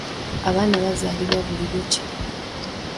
Abaana bazaalibwa buli lukya.